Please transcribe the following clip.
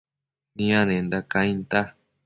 nianenda cainta